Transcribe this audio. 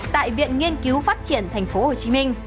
tại viện nghiên cứu phát triển thành phố hồ chí minh